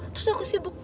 terus aku sibuk